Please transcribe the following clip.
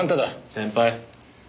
先輩。